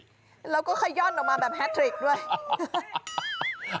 แล้วก็ขย่อนออกมาแบบแฮทริกด้วย